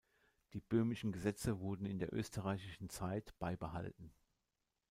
Die böhmischen Gesetze wurden in der österreichischen Zeit beibehalten.